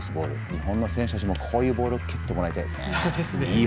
日本の選手たちもこういうボールを蹴ってもらいたいですね。